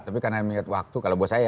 tapi karena mengingat waktu kalau buat saya